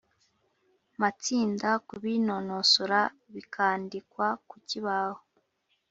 matsinda kubinonosora bikandikwa ku kibaho.